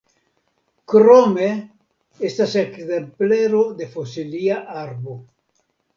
Krome estas ekzemplero de fosilia arbo.